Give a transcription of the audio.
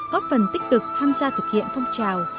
có phần tích cực tham gia thực hiện phong trào